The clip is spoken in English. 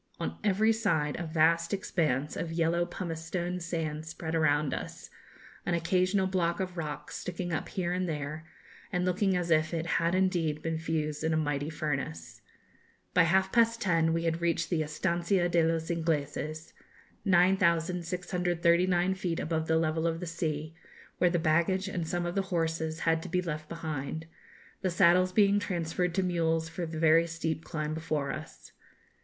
On every side a vast expanse of yellow pumice stone sand spread around us, an occasional block of rock sticking up here and there, and looking as if it had indeed been fused in a mighty furnace. By half past ten we had reached the 'Estancia de los Ingleses,' 9,639 feet above the level of the sea, where the baggage and some of the horses had to be left behind, the saddles being transferred to mules for the very steep climb before us.